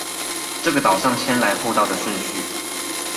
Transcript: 這個島上先來後到的順序